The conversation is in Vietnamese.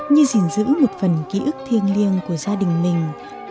như gìn giữ một phần ký ức thiêng liêng của gia đình mình